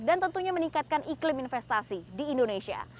yang pentingnya meningkatkan iklim investasi di indonesia